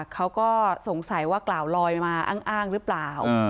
เขาก็สงสัยว่ากล่าวลอยมาอ้างหรือเปล่า